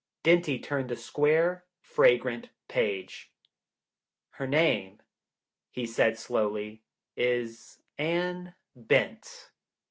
Dinty turned the square, fragrant page. "Her name," he said slowly, "is Anne Bent.